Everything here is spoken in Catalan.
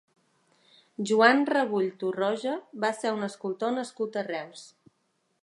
Joan Rebull Torroja va ser un escultor nascut a Reus.